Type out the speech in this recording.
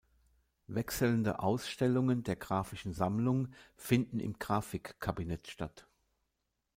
Wechselnde Ausstellungen der Graphischen Sammlung finden im Graphik-Kabinett statt.